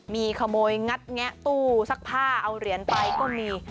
มีขโมยงัดแงะตู้ซักผ้าเอาเหรียญไปก็มี